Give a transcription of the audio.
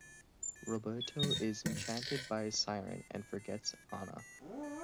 Roberto is enchanted by a siren, and forgets Anna.